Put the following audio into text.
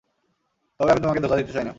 তবে আমি তোমাকে ধোকা দিতে চাইনা।